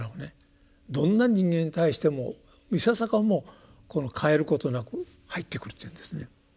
どんな人間に対してもいささかもこの変えることなく入ってくるというんですね。